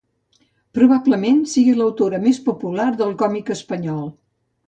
Probablement, sigui l'autora més popular del còmic espanyol.